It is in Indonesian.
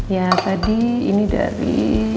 ya tadi ini dari